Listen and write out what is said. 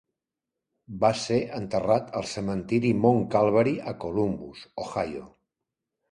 Va ser enterrat al cementiri Mount Calvary a Columbus, Ohio.